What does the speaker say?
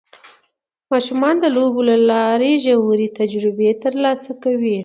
ماشومان د لوبو له لارې ژورې تجربې ترلاسه کوي